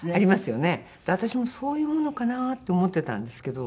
私もそういうものかなって思ってたんですけど